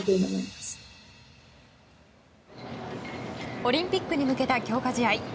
オリンピックに向けた強化試合。